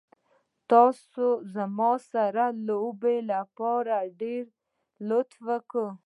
تاسې زما سره د لوبې لپاره ډېر لطف وکړ.